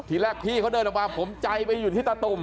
ทีแรกพี่เขาเดินออกมาผมใจไปอยู่ที่ตาตุ่ม